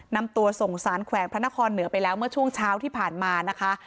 นำตัวส่งสารแขวงพระนครเหนือไปแล้วเมื่อช่วงเช้าที่ผ่านมานะคะ